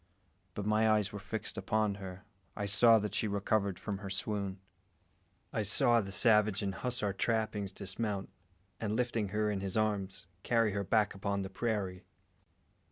But my eyes were fixed upon her I saw that she recovered from her swoon. I saw the savage in hussar trappings dismount, and, lifting her in his arms, carry her back upon the prairie.